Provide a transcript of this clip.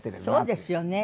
そうですよね。